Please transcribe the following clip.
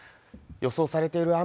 予想されている雨